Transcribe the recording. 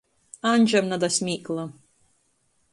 Aņžam na da smīkla.